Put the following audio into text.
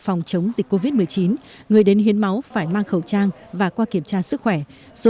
phòng chống dịch covid một mươi chín người đến hiến máu phải mang khẩu trang và qua kiểm tra sức khỏe số